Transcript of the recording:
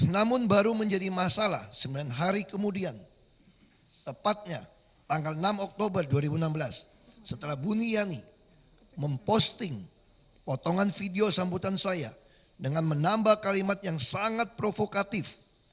namun baru menjadi masalah sembilan hari kemudian tepatnya tanggal enam oktober dua ribu enam belas setelah buniyani memposting potongan video sambutan saya dengan menambah kalimat yang sangat provokatif